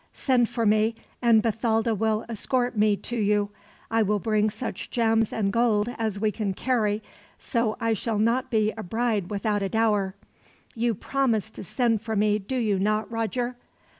"Send for me, and Bathalda will escort me to you. I will bring such gems and gold as we can carry, so I shall not be a bride without a dower. You promise to send for me, do you not, Roger?"